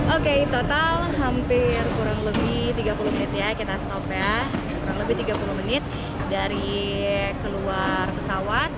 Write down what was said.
oke total hampir kurang lebih tiga puluh menit ya kita stop ya kurang lebih tiga puluh menit dari keluar pesawat